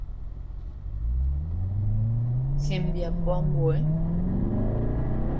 Hembiapo ambue.